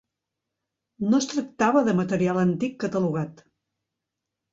No es tractava de material antic catalogat.